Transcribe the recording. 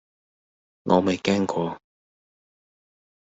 我未驚過!